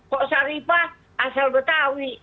posa ripah asal betawi